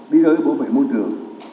đi rơi bảo vệ môi trường